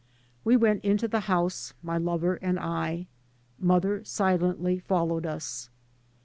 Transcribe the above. We went into the house, my lover and I. Mother silently followed us.